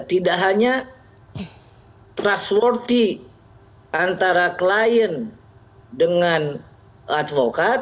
tidak hanya trustworthy antara klien dengan advokat